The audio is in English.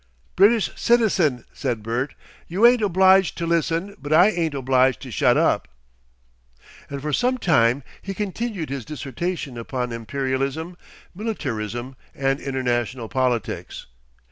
"British citizen," said Bert. "You ain't obliged to listen, but I ain't obliged to shut up." And for some time he continued his dissertation upon Imperialism, militarism, and international politics.